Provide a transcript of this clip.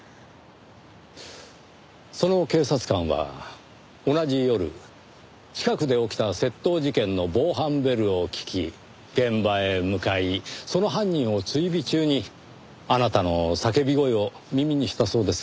その警察官は同じ夜近くで起きた窃盗事件の防犯ベルを聞き現場へ向かいその犯人を追尾中にあなたの叫び声を耳にしたそうです。